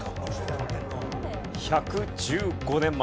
１１５年前。